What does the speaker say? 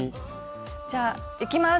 じゃあいきます！